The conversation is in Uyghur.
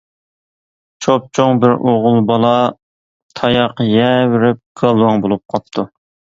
چوپچوڭ بىر ئوغۇل بالا تاياق يەۋېرىپ گالۋاڭ بولۇپ قاپتۇ.